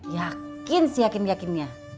yakin sih yakin yakinnya